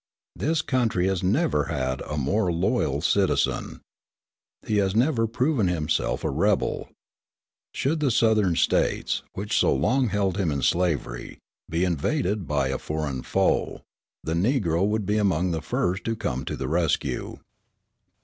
This country has never had a more loyal citizen. He has never proven himself a rebel. Should the Southern States, which so long held him in slavery, be invaded by a foreign foe, the Negro would be among the first to come to the rescue.